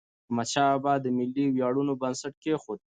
احمدشاه بابا د ملي ویاړونو بنسټ کېښود.